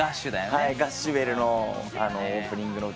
『ガッシュベル！！』のオープニングの歌。